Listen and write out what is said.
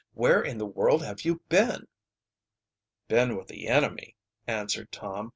"Where in the world have you been?" "Been with the enemy," answered Tom.